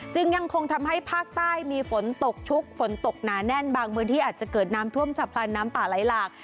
ยังคงทำให้ภาคใต้มีฝนตกชุกฝนตกหนาแน่นบางพื้นที่อาจจะเกิดน้ำท่วมฉับพลันน้ำป่าไหลหลาก